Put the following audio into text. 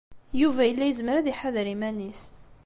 Yuba yella yezmer ad iḥader iman-is.